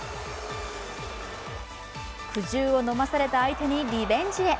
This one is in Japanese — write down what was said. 苦汁を飲まされた相手にリベンジへ。